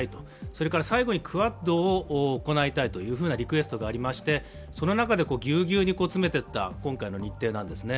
それから最後にクアッドを行いたいというリクエストがありましてその中でギュウギュウに詰めていった今回の日程なんですね。